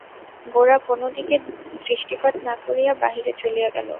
গোরা কোনো দিকে দৃষ্টিপাত না করিয়া বাহিরে চলিয়া গেল।